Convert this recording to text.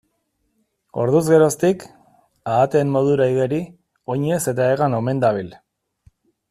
Orduz geroztik, ahateen modura igeri, oinez eta hegan omen dabil.